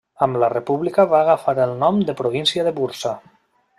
Amb la república va agafar el nom de província de Bursa.